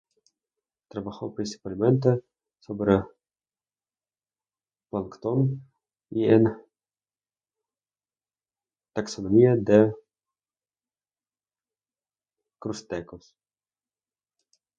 Trabajó principalmente sobre plancton y en taxonomía de crustáceos.